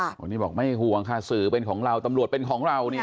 วันนี้บอกไม่ห่วงค่ะสื่อเป็นของเราตำรวจเป็นของเราเนี่ย